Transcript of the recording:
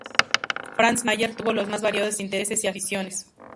Franz Mayer tuvo los más variados intereses y aficiones.